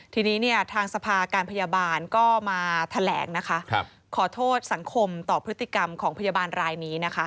ทีนี้เนี่ยทางสภาการพยาบาลก็มาแถลงนะคะขอโทษสังคมต่อพฤติกรรมของพยาบาลรายนี้นะคะ